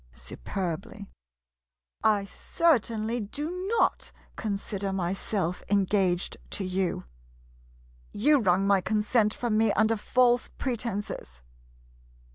] [Superbly.] I certainly do not consider myself engaged to you — you wrung my con sent from me under false pretenses.